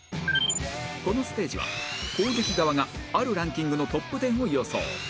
このステージは攻撃側があるランキングのトップ１０を予想